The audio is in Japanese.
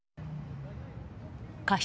過失